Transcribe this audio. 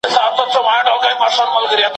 سرسید هم د امام غزالي دا خبره تایید کړې ده.